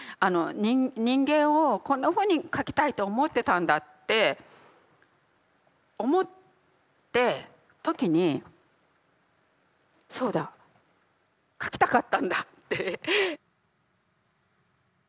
人間をこんなふうに書きたいと思ってたんだって思った時にそうだ書きたかったんだって。